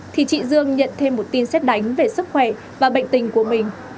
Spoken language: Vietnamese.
thì chị dương nhận thêm một tin xét đánh về sức khỏe và bệnh tình của mình